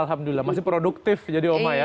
alhamdulillah masih produktif jadi oma ya